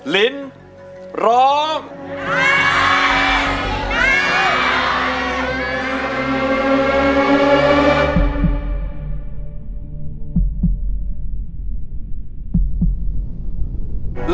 ลิ้นร้องได้